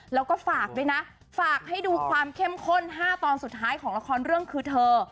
แล้วก็ฝากด้วยนะฝากให้ดูความเข้มข้น๕ตอนสุดท้ายของละครเรื่องคือเธอ